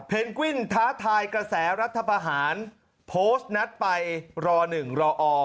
เพนกวินท้าทายกระแสรัภพรรคโพสต์นัดไปร๑รอ